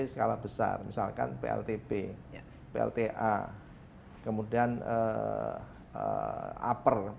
skala besar misalkan pltb plta kemudian upper